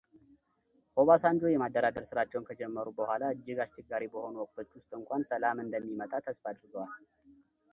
ኦባሳንጆ የማደራደር ሥራቸውን ከጀመሩ በኋላ እጅግ አስቸጋሪ በሆኑ ወቅቶች ውስጥ እንኳን ሰላም እንደሚመጣ ተስፋ አድርገዋል።